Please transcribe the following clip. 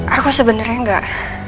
aku sebenernya gak